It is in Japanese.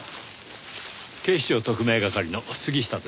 警視庁特命係の杉下です。